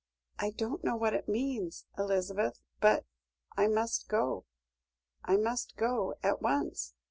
"I don't know what it means Elizabeth but I must go I must go at once."